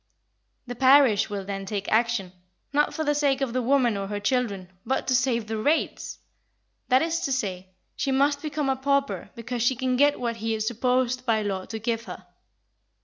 The Parish will then take action, not for the sake of the woman or her children, but to save the rates! That is to say, she must become a pauper before she can get what he is supposed by law to give her.